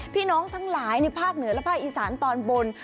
ทั้งหลายในภาคเหนือและภาคอีสานตอนบน